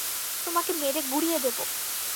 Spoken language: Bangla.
তোমাকে মেরে গুড়িয়ে দেব!